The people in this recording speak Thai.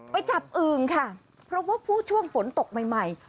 ไปจับอื้งค่ะเพราะว่าพวกช่วงฝนตกใหม่